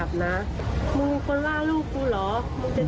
พนักงานในร้าน